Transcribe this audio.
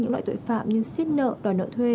những loại tội phạm như siết nợ đòi nợ thuê